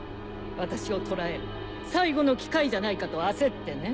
私を捕らえる最後の機会じゃないかと焦ってね。